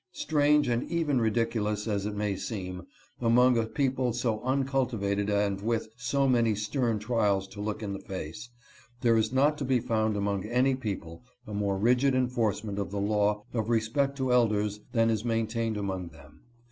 Strange and even ridicu lous as it may seem, among a people so uncultivated and with so many stern trials to look in the face, there is not to be found among any people a more rigid enforcement of the law of respect to elders than is maintained among them.